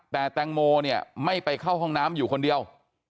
แต่แตงโมเนี่ยไม่ไปเข้าห้องน้ำอยู่คนเดียว